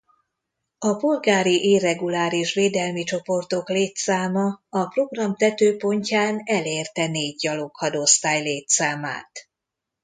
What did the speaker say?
A Polgári Irreguláris Védelmi Csoportok létszáma a program tetőpontján elérte négy gyaloghadosztály létszámát.